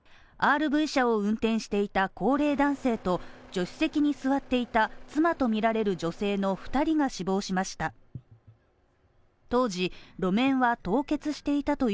ＲＶ車を運転していた高齢男性と助手席に座っていた妻とみられる女性の２人が死亡しました。